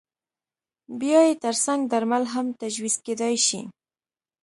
بیا یې ترڅنګ درمل هم تجویز کېدای شي.